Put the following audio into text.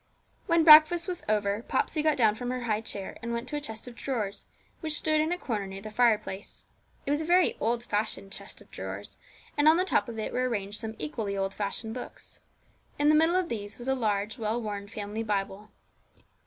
When breakfast was over, Popsey got down from her high chair and went to a chest of drawers, which stood in a corner near the fireplace. It was a very old fashioned chest of drawers, and on the top of it were arranged some equally old fashioned books. In the middle of these was a large well worn family Bible.